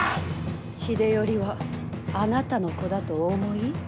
秀頼はあなたの子だとお思い？